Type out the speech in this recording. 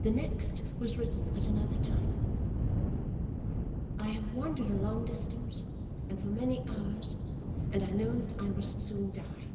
The next was written at another time: I have wandered a long distance, and for many hours, and I know that I must soon die.